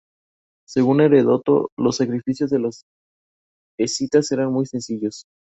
El presidente venezolano desmintió tales comunicados.